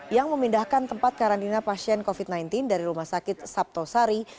yang memindahkan tempat karantina pasien covid sembilan belas dari rumah sakit sabtosari